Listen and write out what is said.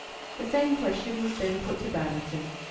The same question was then put to Babington.